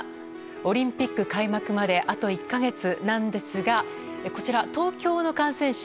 オリンピック開幕まであと１か月なんですがこちら、東京の感染者